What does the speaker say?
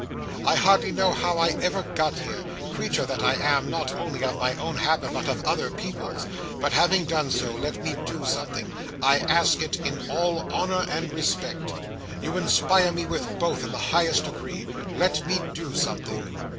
I hardly know how I ever got here—creature that I am, not only of my own habit, but of other people's! But having done so, let me do something. I ask it in all honour and respect. You inspire me with both, in the highest degree. Let me do something."